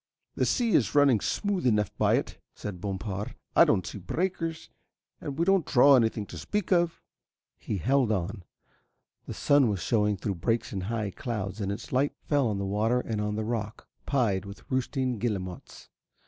"The sea is running smooth enough by it," said Bompard. "I don't see breakers, and we don't draw anything to speak of." He held on. The sun was shewing through breaks in the high clouds and its light fell on the water and the rock, pied with roosting guillemots.